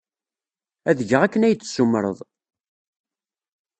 Ad geɣ akken ay d-tessumreḍ.